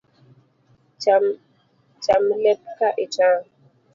Cham lep ka itang’